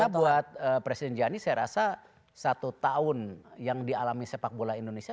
karena buat presiden jani saya rasa satu tahun yang dialami sepak bola indonesia